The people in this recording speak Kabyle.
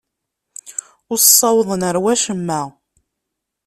Ur ssawḍen ɣer wacemma.